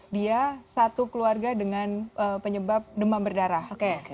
dia satu keluarga dengan penyebab demam berdarah